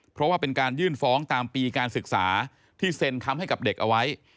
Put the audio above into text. เพราะว่าเป็นการยื่นฟ้องตามปีการศึกษาที่เซ็นคำให้กับเด็กเอาไว้